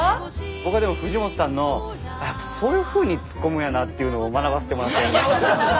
僕はでも藤本さんのやっぱそういうふうに突っ込むんやなっていうのを学ばせてもらってます。